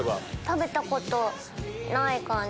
食べたことない感じ。